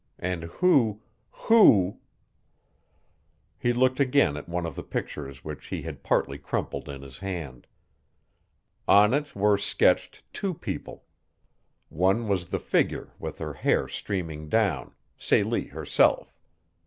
And who who He looked again at one of the pictures which he had partly crumpled in his hand. On it were sketched two people. One was a figure with her hair streaming down Celie herself.